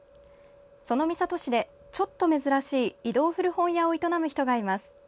その三郷市でちょっと珍しい移動古本屋を営む人がいます。